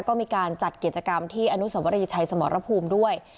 ก็มีการจัดกิจกรรมที่อนุสวรีชัยสมรภูมิด้วย